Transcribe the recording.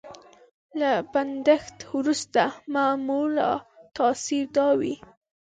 له بندښت وروسته معمولا تاثر دا وي.